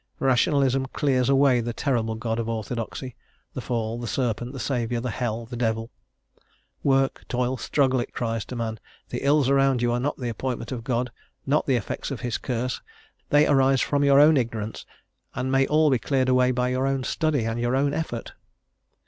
Rationalism clears away the terrible God of orthodoxy, the fall, the serpent, the Saviour, the hell, the devil. "Work, toil, struggle," it cries to man; "the ills around you are not the appointment of God, not the effects of his curse; they arise from your own ignorance, and may all be cleared away by your own study, and your own effort.